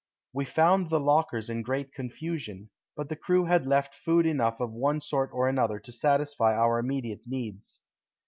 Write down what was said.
We found the lockers in great confusion, but the crew had left food enough of one sort or another to satisfy our immediate needs.